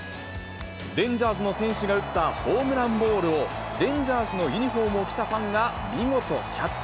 レンジャーズの選手が打ったホームランボールを、レンジャーズのユニホームを着たファンが見事キャッチ。